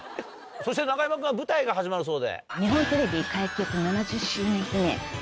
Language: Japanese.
そして中山君は舞台が始まるそうで。